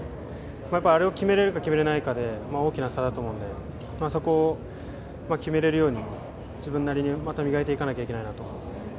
あれを決められるかどうかが大きな差だと思うのでそこを決めれるように自分なりに磨いていかないとと思います。